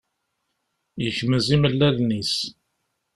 Yekmez imellalen-is